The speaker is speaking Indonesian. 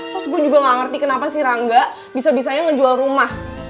terus aku juga gak ngerti kenapa sih rangga bisa bisanya ngejual rumah